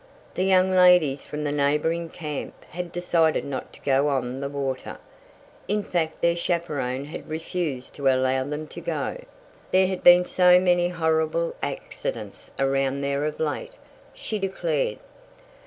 The young ladies from the neighboring camp had decided not to go on the water in fact their chaperon had refused to allow them to go; "there had been so many horrible accidents around there of late," she declared.